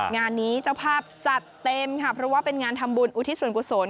งานนี้เจ้าภาพจัดเต็มค่ะเพราะว่าเป็นงานทำบุญอุทิศส่วนกุศล